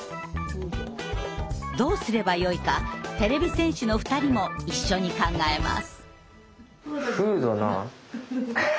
どうすればよいかてれび戦士の２人も一緒に考えます。